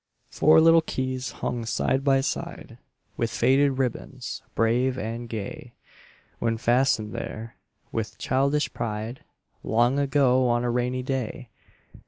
Four little keys hung side by side, With faded ribbons, brave and gay When fastened there, with childish pride, Long ago, on a rainy day.